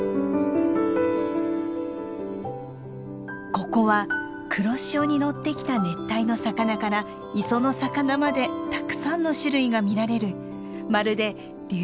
ここは黒潮に乗ってきた熱帯の魚から磯の魚までたくさんの種類が見られるまるで竜